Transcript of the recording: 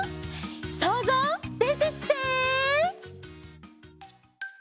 そうぞうでてきて！